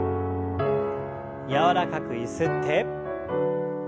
柔らかくゆすって。